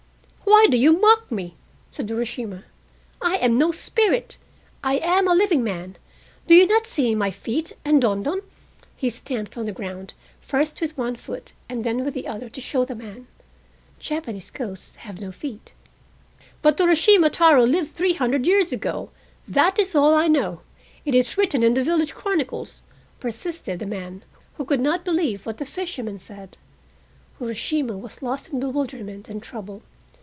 "Why do you mock me?" said Urashima. "I am no spirit! I am a living man—do you not see my feet;" and "don don," he stamped on the ground, first with one foot and then with the other to show the man. (Japanese ghosts have no feet.) "But Urashima Taro lived three hundred years ago, that is all I know; it is written in the village chronicles," persisted the man, who could not believe what the fisherman said. Urashima was lost in bewilderment and trouble.